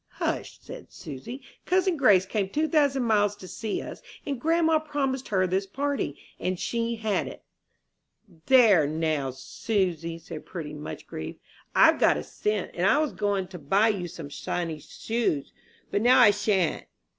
"Hush," said Susy. "Cousin Grace came two thousand miles to see us, and grandma promised her this party, and she had it." "There, now, Susy," said Prudy, much grieved, "I've got a cent, and I was goin' to buy you some shiny shoes, but now I shan't."